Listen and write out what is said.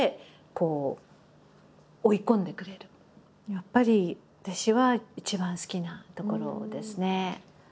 やっぱり私は一番好きな所ですね。